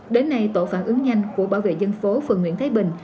đến nay tổ phản ứng nhanh của bảo vệ dân phố phường nguyễn thái bình